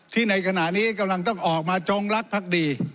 ที่ในขณะนี้กำลังต้องออกมาจงลักษณ์พักดี